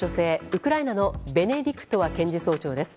ウクライナのベネディクトワ検事総長です。